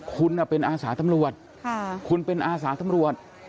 คุณเป็นอาสาทำรวจ